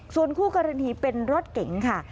ส่วนคู่กรณีเป็นรถเก๋งค่ะ